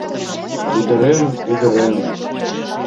Ӱдырем, ӱдырем!..